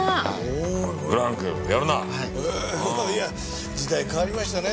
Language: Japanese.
えいや時代変わりましたね。